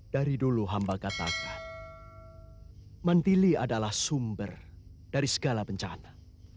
dari dulu hamba katakan mandili adalah sumber dari segala bencana